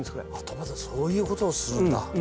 トマトそういうことをするんだ。